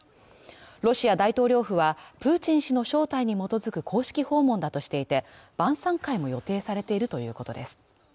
ロシア大統領府はプーチン氏の招待に基づく公式訪問だとしていて晩さん会も予定されているということです